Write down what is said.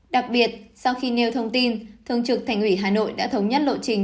đặc biệt sau khi nêu thông tin thường trực thành ủy hà nội đã thống nhất lộ trình